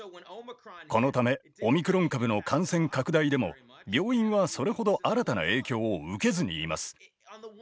このためオミクロン株の感染拡大でも病院はそれほど新たな影響を受けずにいます。